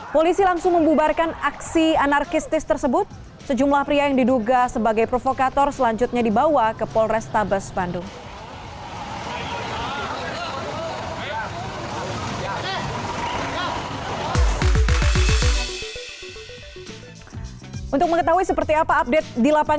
polisi langsung membubarkan aksi anarkistis tersebut sejumlah pria yang diduga sebagai provokator selanjutnya dibawa ke polrestabes bandung